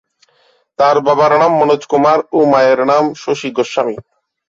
তার বাবার নাম মনোজ কুমার ও মায়ের নাম শশী গোস্বামী।